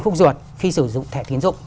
khúc ruột khi sử dụng thẻ tiến dụng